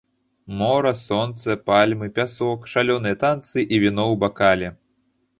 Мора, сонца, пальмы, пясок, шалёныя танцы і віно ў бакале.